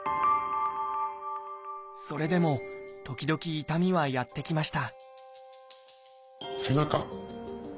それでも時々痛みはやって来ました